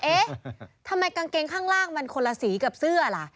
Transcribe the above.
เอ๊ะทำไมกางเกงข้างล่างมันคนละสีกับเสื้อล่ะ